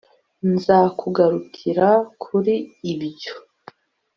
nzakugarukira kuri ibyo